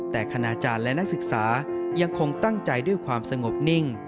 แต่คณาจารย์และนักศึกษายังคงตั้งใจด้วยความสงบนิ่ง